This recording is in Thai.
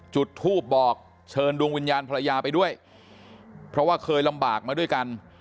จุดทูบบอกเชิญดวงวิญญาณภรรยาไปด้วยเพราะว่าเคยลำบากมาด้วยกัน